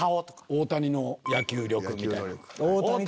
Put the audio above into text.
大谷の野球力みたいな。